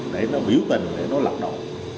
để nó biểu tình để nó lập động